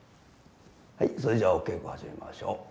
はいそれじゃお稽古始めましょう。